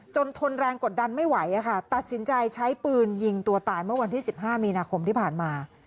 ทนแรงกดดันไม่ไหวตัดสินใจใช้ปืนยิงตัวตายเมื่อวันที่๑๕มีนาคมที่ผ่านมา